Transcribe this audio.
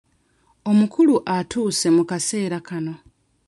Omukulu atuuse mu kaseera kano.